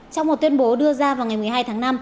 trong một tuyên bố đưa ra vào ngày một mươi hai tháng năm